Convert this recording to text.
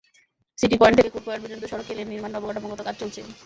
City point থেকে court point পর্যন্ত সড়কে লেন নির্মাণের অবকাঠামোগত কাজ চলছে।